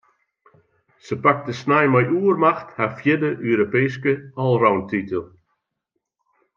Se pakte snein mei oermacht har fjirde Europeeske allroundtitel.